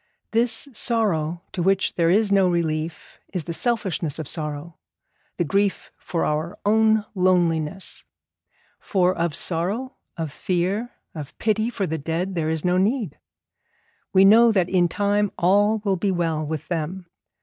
This sorrow to which there is no relief is the selfishness of sorrow, the grief for our own loneliness; for of sorrow, of fear, of pity for the dead, there is no need. We know that in time all will be well with them.